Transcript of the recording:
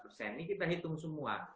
ini kita hitung semua